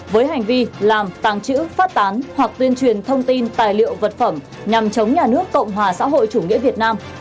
với hành vi làm tàng trữ phát tán hoặc tuyên truyền thông tin tài liệu vật phẩm nhằm chống nhà nước cộng hòa xã hội chủ nghĩa việt nam